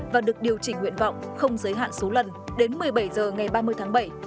và được điều chỉnh nguyện vọng không giới hạn số lần đến một mươi bảy h ngày ba mươi tháng bảy